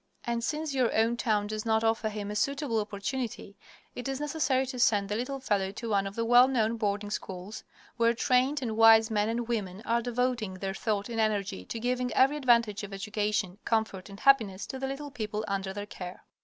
And since your own town does not offer him a suitable opportunity, it is necessary to send the little fellow to one of the well known boarding schools, where trained and wise men and women are devoting their thought and energy to giving every advantage of education, comfort, and happiness to the little people under their care.